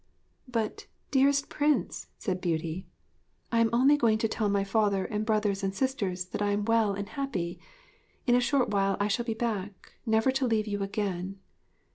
'But, dearest Prince,' said Beauty, 'I am only going to tell my father and brothers and sisters that I am well and happy. In a short while I shall be back, never to leave you again....